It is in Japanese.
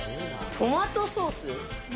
トマトソース。